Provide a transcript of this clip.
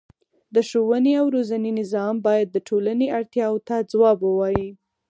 د ښوونې او روزنې نظام باید د ټولنې اړتیاوو ته ځواب ووايي.